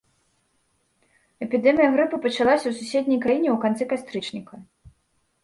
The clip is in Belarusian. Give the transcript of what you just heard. Эпідэмія грыпу пачалася ў суседняй краіне ў канцы кастрычніка.